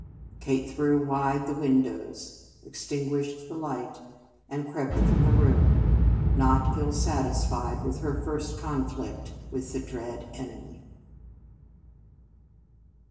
Kate threw wide the windows, extinguished the light, and crept from the room, not ill satisfied with her first conflict with the dread enemy.